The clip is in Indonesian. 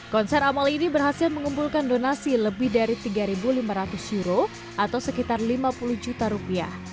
konser amal ini berhasil mengumpulkan donasi lebih dari tiga lima ratus euro atau sekitar lima puluh juta rupiah